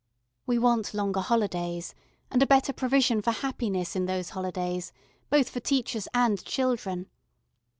We want longer holidays, and a better provision for happiness in those holidays, both for teachers and children.